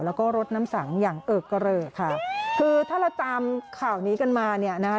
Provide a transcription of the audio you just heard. แล้วก็รถน้ำสังอย่างเอิกกระเรอค่ะคือถ้าเราตามข่าวนี้กันมาเนี่ยนะคะ